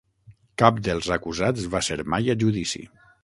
Cap dels acusats va ser mai a judici.